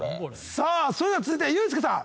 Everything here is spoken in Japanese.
さあそれでは続いてはユースケさん。